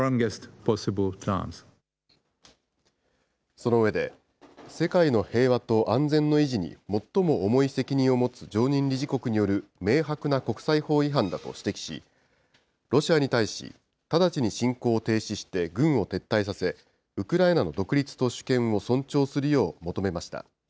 その上で、世界の平和と安全の維持に最も重い責任を持つ常任理事国による明白な国際法違反だと指摘し、ロシアに対し、直ちに侵攻を停止して軍を撤退させ、ウクライナの独立と主権を尊重するよう求めました。